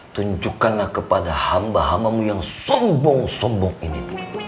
tunjukkanlah kepada hamba hambamu yang sombong sombong ini